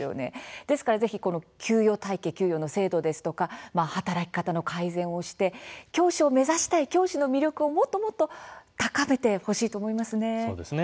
ですからぜひ給与体系、給与制度働き方の改善をして教師の魅力をもっともっと高めてほしいと思いますね。